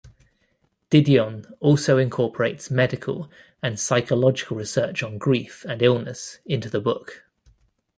Didion also incorporates medical and psychological research on grief and illness into the book.